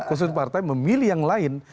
khusus partai memilih yang lain